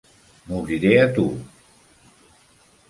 M'obriré a tu.